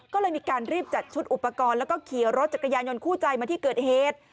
ก็เลยมีการรีบจัดชุดอุปกรณ์แล้วก็ขี่รถจักรยานยนต์คู่ใจมาที่เกิดเหตุ